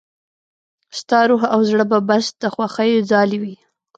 ستا روح او زړه به بس د خوښيو ځالې وي.